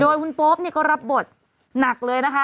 โดยคุณโป๊ปนี่ก็รับบทหนักเลยนะคะ